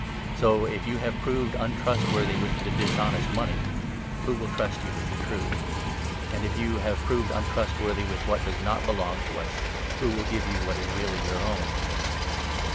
So, if you have proved n untrustworthy with the 'dishonest money,' who will trust you with the true ? And, if you have proved untrustworthy with 12 True what does not belong to us, who will give you Service. what is really our own